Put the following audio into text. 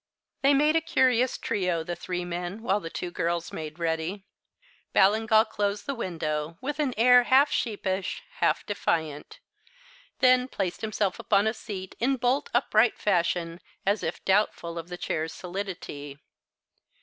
They made a curious trio, the three men, while the two girls made ready. Ballingall closed the window, with an air half sheepish, half defiant. Then placed himself upon a seat, in bolt upright fashion, as if doubtful of the chair's solidity.